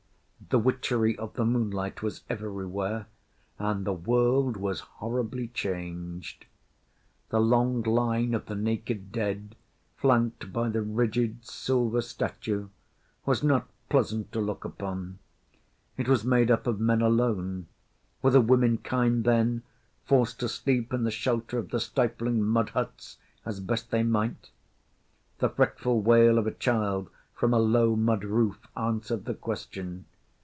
The witchery of the moonlight was everywhere; and the world was horribly changed. The long line of the naked dead, flanked by the rigid silver statue, was not pleasant to look upon. It was made up of men alone. Were the womenkind, then, forced to sleep in the shelter of the stifling mud huts as best they might? The fretful wail of a child from a low mud roof answered the question.